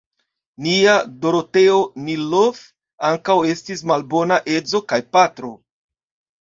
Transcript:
Nia Doroteo Nilov ankaŭ estis malbona edzo kaj patro.